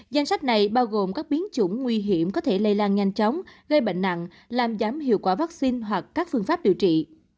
danh sách này bao gồm các biến chủng nguy hiểm có thể lây lan nhanh chóng gây bệnh nặng làm giảm hiệu quả vaccine hoặc các phương pháp điều trị